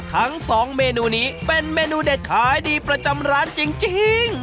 ทั้งสองเมนูนี้เป็นเมนูเด็ดขายดีประจำร้านจริง